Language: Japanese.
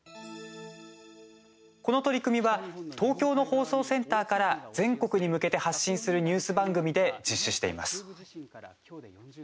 この取り組みは東京の放送センターから全国に向けて発信するニュース番組で実施しています。